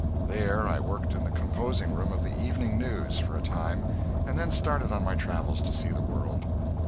There I worked in the composing room of the "Evening News" for a time, and then started on my travels to see the world.